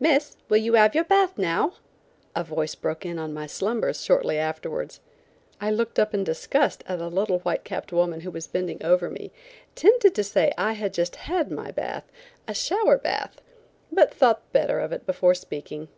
"Miss, will you have your bath now?" a voice broke in on my slumbers shortly afterwards. I looked up in disgust at a little white capped woman who was bending over me, tempted to say I had just had my bath, a shower bath, but thought better of it before speaking.